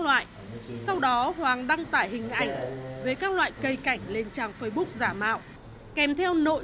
loại sau đó hoàng đăng tải hình ảnh về các loại cây cảnh lên trang facebook giả mạo kèm theo nội